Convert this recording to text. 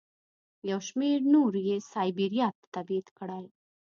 یو شمېر نور یې سایبریا ته تبعید کړل.